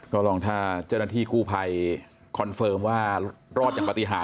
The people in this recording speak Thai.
ก็ลองถ้าเจ้าหน้าที่กู้ภัยคอนเฟิร์มว่ารอดอย่างปฏิหาร